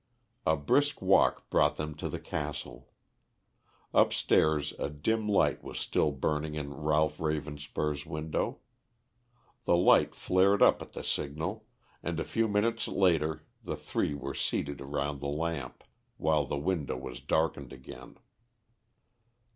A brisk walk brought them to the castle. Upstairs a dim light was still burning in Ralph Ravenspur's window. The light flared up at the signal, and a few minutes later the three were seated round the lamp, while the window was darkened again.